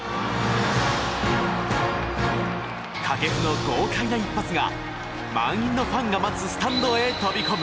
掛布の豪快な一発が満員のファンが待つスタンドへ飛び込む。